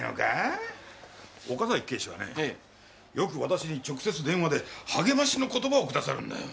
岡崎警視はねよく私に直接電話で励ましの言葉をくださるんだよ。